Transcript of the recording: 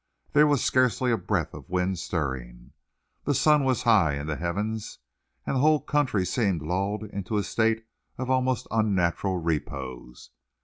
There was scarcely a breath of wind stirring. The sun was high in the heavens, and the whole country seemed lulled into a state of almost unnatural repose.